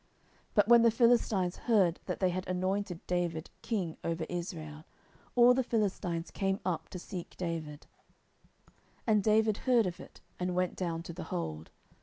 10:005:017 But when the Philistines heard that they had anointed David king over Israel, all the Philistines came up to seek David; and David heard of it, and went down to the hold.